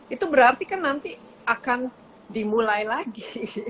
itu berarti kan nanti akan dimulai lagi